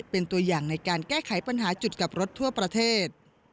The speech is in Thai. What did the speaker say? เป็นตัวอย่างในการแก้ไขปัญหาจุดกลับรถทั่วประเทศ